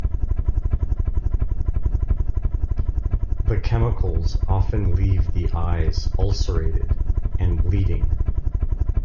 The chemicals often leave the eyes ulcerated and bleeding.